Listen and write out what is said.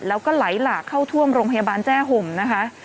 แล้วก็ไหลหลากเข้าท่วมโรงพยาบาลแจ้ห่มนะคะ